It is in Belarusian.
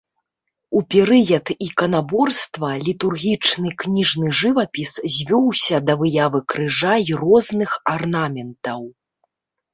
У перыяд іканаборства літургічны кніжны жывапіс звёўся да выявы крыжа і розных арнаментаў.